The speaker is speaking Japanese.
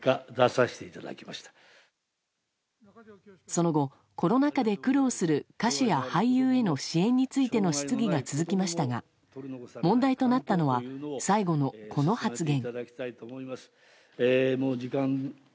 その後、コロナ禍で苦労する歌手や俳優への支援についての質疑が続きましたが問題となったのは最後のこの発言。